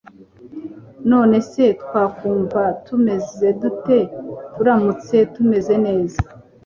None se twakumva tumeze dute turamutse tumeze neza